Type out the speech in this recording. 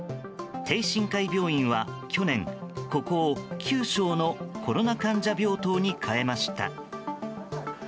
禎心会病院は去年ここを９床のコロナ患者病棟に変えました。